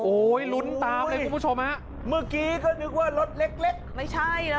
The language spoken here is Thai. โอ้โหลุ้นตามเลยคุณผู้ชมฮะเมื่อกี้ก็นึกว่ารถเล็กเล็กไม่ใช่นะ